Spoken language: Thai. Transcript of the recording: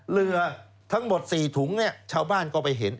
เรือทั้งหมด๔ถุงเนี่ยชาวบ้านก็ไปเห็น